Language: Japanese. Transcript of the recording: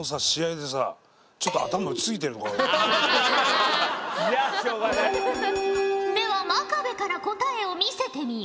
では真壁から答えを見せてみよ！